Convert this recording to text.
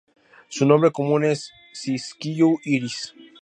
Su nombre común es Siskiyou iris.